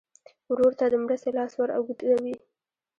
ورور ته د مرستې لاس ور اوږدوې.